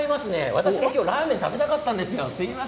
私もラーメンが食べたかったんです。